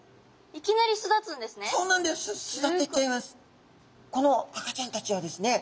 いきなり巣立つんですね？